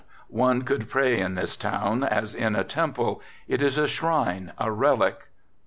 One should pray in this town, as in a temple; it is a shrine, a relic.